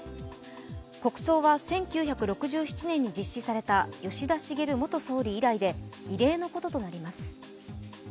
国葬は、１９６７年に実施された吉田茂元総理以来で、異例のこととなります。